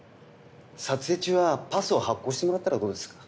撮影中はパスを発行してもらったらどうですか？